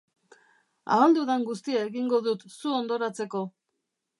Ahal dudan guztia egingo dut zu hondoratzeko!